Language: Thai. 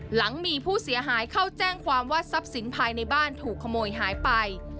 หลังมีผู้เสียหายเข้าแจ้งความว่าทรัพย์สินภายในบ้านถูกขโมยหายไป